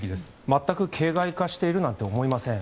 全く形骸化しているなんて思いません。